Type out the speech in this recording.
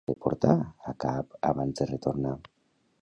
I què havia de portar a cap abans de retornar?